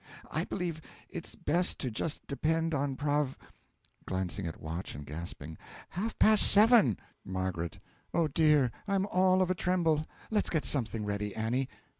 I believe it's best to just depend on Prov (Glancing at watch, and gasping.) half past seven! M. Oh, dear, I'm all of a tremble! Let's get something ready, Annie!